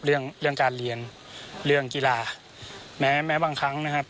เรื่องเรื่องการเรียนเรื่องกีฬาแม้แม้บางครั้งนะครับ